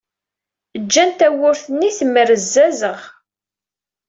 Ǧǧan tawwurt-nni temmerzazeɣ.